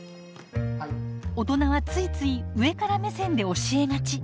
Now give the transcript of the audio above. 大人はついつい上から目線で教えがち。